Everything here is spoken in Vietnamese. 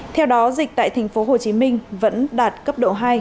theo đó dịch tại tp hcm vẫn đạt cấp độ hai